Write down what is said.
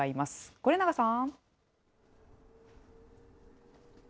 是永さん。